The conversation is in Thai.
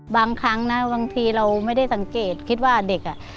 บางครั้งนะบางทีเราไม่ได้สังเกตคิดว่าเด็กอ่ะ